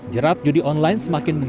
jerap judi online semakin menguat